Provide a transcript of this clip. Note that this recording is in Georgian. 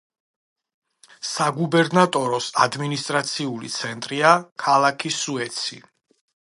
საგუბერნატოროს ადმინისტრაციული ცენტრია ქალაქი სუეცი.